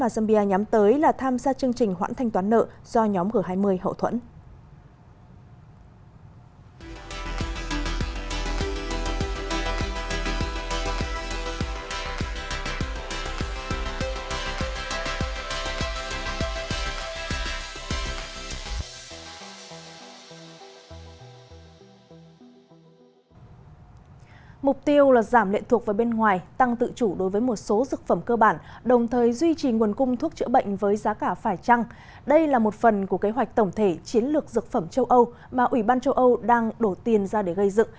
đây là một phần của kế hoạch tổng thể chiến lược dược phẩm châu âu mà ủy ban châu âu đang đổ tiền ra để gây dựng